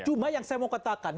cuma yang saya mau katakan